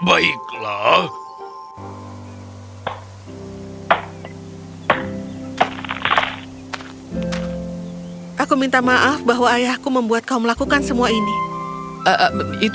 aku ingin meminta maaf karena ayahku membuatmu melakukan semua ini